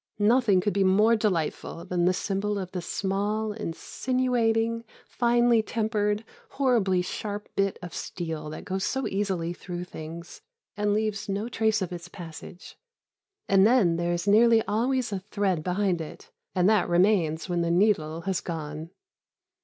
Nothing could be more delightful than the symbol of the small, insinuating, finely tempered, horribly sharp bit of steel that goes so easily through things, and leaves no trace of its passage. And then there is nearly always a thread behind it, and that remains when the needle has gone!